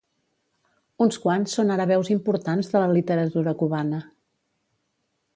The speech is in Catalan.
Uns quants són ara veus importants de la literatura cubana.